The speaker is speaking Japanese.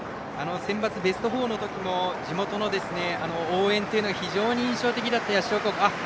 センバツ、ベスト４のときも地元の応援というのが非常に印象的だった社高校。